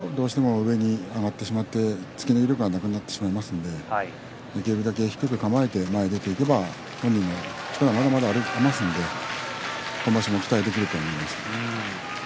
高くなってしまうとどうしても上に上がってしまってつけいれられてしまいますのでできるだけ低く構えて前に出ていけば本人の力はまだまだありますので今場所も期待できると思います。